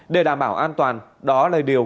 để đảm bảo an toàn đó là điều